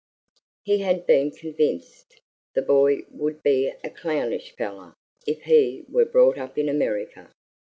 He had been convinced the boy would be a clownish fellow if he were brought up in America.